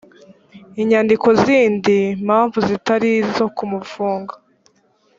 inyandiko zindi mpamvu zitari izo kumufunga